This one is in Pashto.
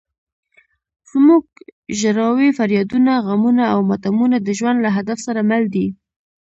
زموږ ژړاوې، فریادونه، غمونه او ماتمونه د ژوند له هدف سره مل دي.